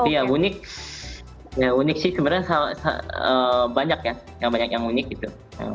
iya unik ya unik sih sebenarnya banyak ya yang banyak yang unik gitu